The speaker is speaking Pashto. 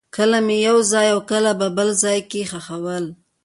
کله به مې یو ځای او کله بل ځای کې خښول.